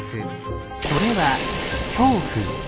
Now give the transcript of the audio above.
それは「恐怖」。